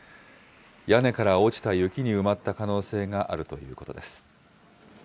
屋根から落ちた雪に埋まった可能性があるということです。